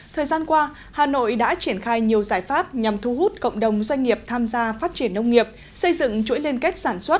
thời gian qua hà nội đã triển khai nhiều giải pháp nhằm thu hút cộng đồng doanh nghiệp tham gia phát triển nông nghiệp xây dựng chuỗi liên kết sản xuất